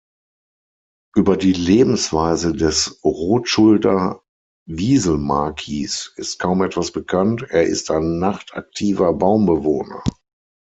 Über die Lebensweise des Rotschulter-Wieselmakis ist kaum etwas bekannt, er ist ein nachtaktiver Baumbewohner.